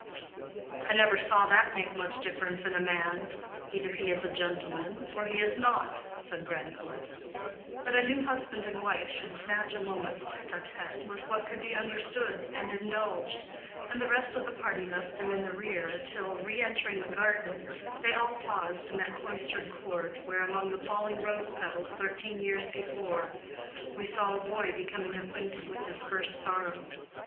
"I never saw that make much difference in a man. Either he is a gentleman, or he is not," said Grandcourt. That a new husband and wife should snatch a moment's tête à tête was what could be understood and indulged; and the rest of the party left them in the rear till, re entering the garden, they all paused in that cloistered court where, among the falling rose petals thirteen years before, we saw a boy becoming acquainted with his first sorrow.